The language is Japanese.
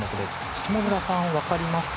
下村さん、分かりますか？